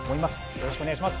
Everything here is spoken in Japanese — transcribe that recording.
よろしくお願いします。